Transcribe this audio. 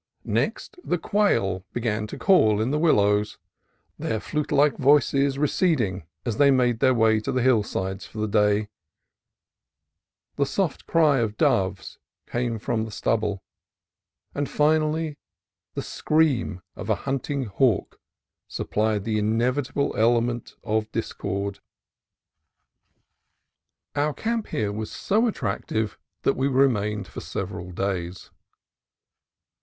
Next the quail began to call in the willows, their flute like voices receding as they made their way to the hill sides for the day; the soft cry of doves came from the stubble; and finally the scream of a hunting hawk supplied the inevitable element of discord. Our camp here was so attractive that we remained for several days.